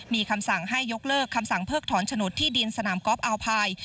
มีคำสั่งให้ยกเลิกคำสั่งเพิกถอนโฉนดที่ดินสนามกอล์อัลพาย